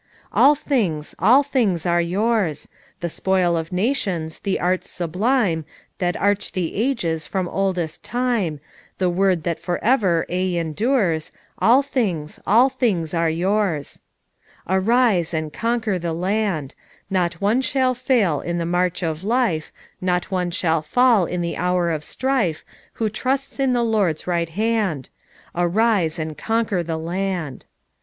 "All things, all things are yours I The spoil of nations, the arts sublime That arch the ages from oldest time, The word that for aye endures, All things, all things arc yours. "Arise, and conquer the land! Not one shall fail in the march of life, Not one shall fall in the hour of strifo Who trusts in the Lord's right hand; Arise and conquer the land !"